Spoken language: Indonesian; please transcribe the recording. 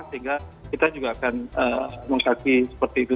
sehingga kita juga akan mengkaji seperti itu